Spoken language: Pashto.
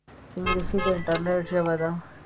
انګلیسي د انټرنیټ ژبه ده